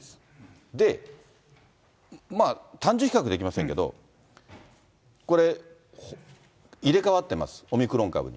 で、単純比較できませんけど、これ、入れ代わってます、オミクロン株に。